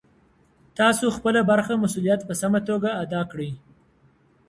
تاسو خپله برخه مسؤلیت په سمه توګه ادا کړئ.